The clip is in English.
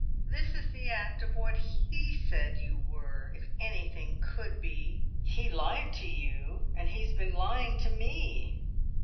"This is the act of what he said you were, if anything could be." "He lied to you, and he's been lying to me!"